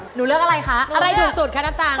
เลือกอะไรคะอะไรถูกสุดคะน้ำตาล